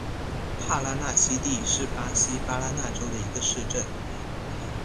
帕拉纳西蒂是巴西巴拉那州的一个市镇。